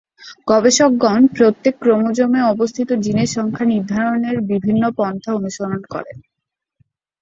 গবেষকগণ প্রত্যেক ক্রোমোজোমে অবস্থিত জীনের সংখ্যা নির্ধারণে বিভিন্ন পন্থা অনুসরণ করে।